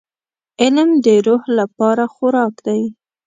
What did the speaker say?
• علم د روح لپاره خوراک دی.